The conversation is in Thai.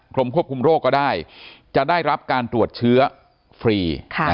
ควบคุมโรคก็ได้จะได้รับการตรวจเชื้อฟรี